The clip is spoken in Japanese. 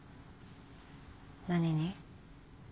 何に？